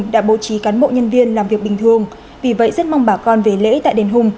đấy là việc mình cần và nên phải làm